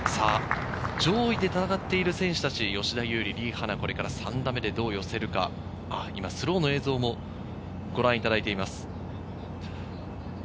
上位で戦っている選手達、吉田優利、リリ・ハナ、これから３打目でどう寄せるか、スローの映像もご覧いただいています。